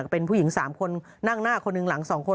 เป็นผู้หญิง๓คนนั่งหน้าคนหนึ่งหลัง๒คน